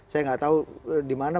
saya nggak tahu di mana